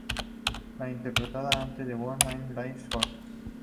La interpretaba antes de Who Am I Living For?